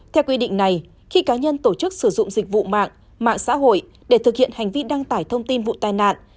theo quy định này khi cá nhân tổ chức sử dụng dịch vụ mạng mạng xã hội để thực hiện hành vi đăng tải thông tin vụ tai nạn